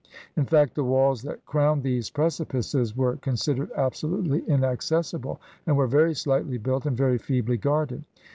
In fact, the walls that crowned these precipices were con sidered absolutely inaccessible, and were very slightly built and very feebly guarded.